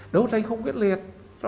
đấu tranh không quyết liệt